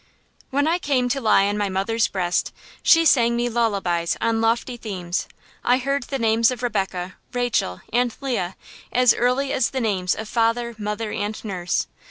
When I came to lie on my mother's breast, she sang me lullabies on lofty themes. I heard the names of Rebecca, Rachel, and Leah as early as the names of father, mother, and nurse.